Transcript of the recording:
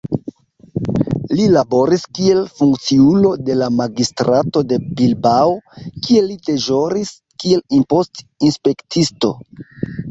Li laboris kiel funkciulo de la magistrato de Bilbao, kie li deĵoris kiel impost-inspektisto.